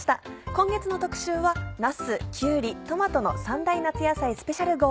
今月の特集はなすきゅうりトマトの三大夏野菜スペシャル号。